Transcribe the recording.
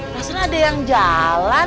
rasanya ada yang jalan